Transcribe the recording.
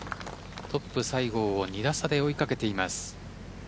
トップ・西郷を２打差で追い掛けています。